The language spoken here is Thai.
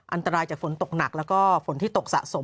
อันตรายจากฝนตกหนักแล้วก็ฝนที่ตกสะสม